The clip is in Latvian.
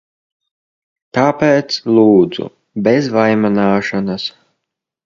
Tāpēc, lūdzu, bez vaimanāšanas.